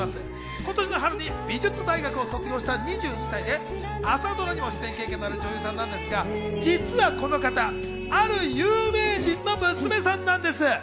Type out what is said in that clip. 今年の春に美術大学を卒業した２２歳で、朝ドラにも出演経験のある女優さんなんですが、実はこの方、ある有名人の娘さんなんです。